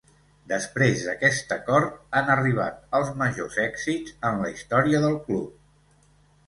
Després d'aquest acord, han arribat els majors èxits en la història del club.